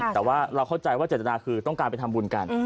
แต่ว่าเราเข้าใจว่าเจตนาคือต้องการไปทำบุญกัน